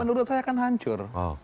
menurut saya kan hancur